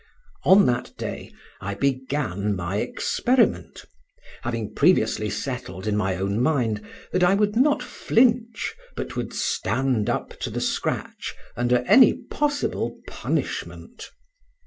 On that day I began my experiment, having previously settled in my own mind that I would not flinch, but would "stand up to the scratch" under any possible "punishment."